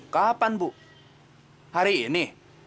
kapan bu hari ini